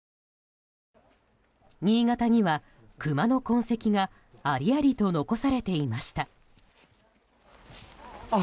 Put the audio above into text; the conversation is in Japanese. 新潟には、クマの痕跡がありありと残されていました。